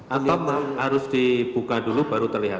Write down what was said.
atau harus dibuka dulu baru terlihat